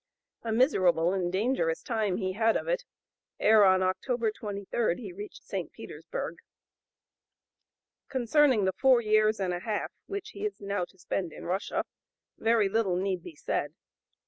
A miserable and a dangerous time he had of it ere, on October 23, he reached St. Petersburg. Concerning the four years and a half which he is now to spend in Russia very little need be said.